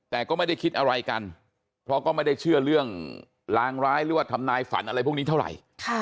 แต่ก็ไม่ได้คิดอะไรกันเพราะก็ไม่ได้เชื่อเรื่องลางร้ายหรือว่าทำนายฝันอะไรพวกนี้เท่าไหร่